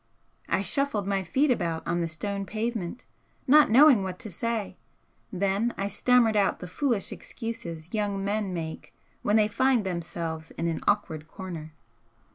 I shuffled my feet about on the stone pavement, not knowing what to say then I stammered out the foolish excuses young men make when they find themselves in an awkward corner.